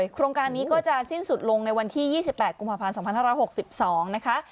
โครงการนี้ก็จะสิ้นสุดลงในวันที่๒๘กุมภาพันธ์๒๕๖๒นะคะ